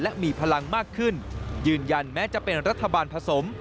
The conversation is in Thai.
และมีพลังมากขึ้นยืนยันแม้จะเป็นรัฐบาลผสม